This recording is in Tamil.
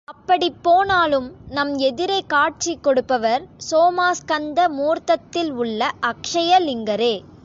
அப்படிப் போனாலும் நம் எதிரே காட்சி கொடுப்பவர் சோமாஸ்கந்த மூர்த்தத்தில் உள்ள அக்ஷயலிங்கரே.